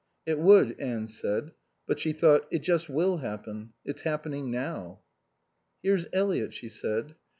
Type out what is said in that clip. "It would," Anne said. But she thought: "It just will happen. It's happening now." "Here's Eliot," she said.